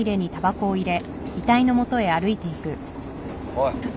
おい。